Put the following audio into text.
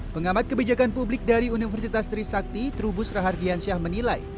pengamat kebijakan publik dari universitas trisakti trubus rahardiansyah menilai